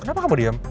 kenapa kamu diam